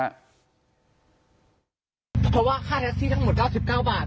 เพราะว่าค่าแท็กซี่ทั้งหมด๙๙บาท